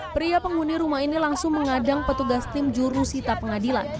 pria penghuni rumah ini langsung mengadang petugas tim jurusita pengadilan